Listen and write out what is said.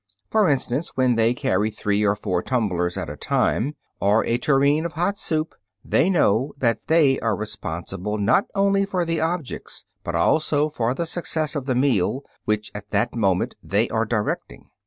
For instance, when they carry three or four tumblers at a time, or a tureen of hot soup, they know that they are responsible not only for the objects, but also for the success of the meal which at that moment they are directing.